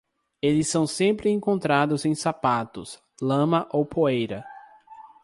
Eles são sempre encontrados em sapatos, lama ou poeira.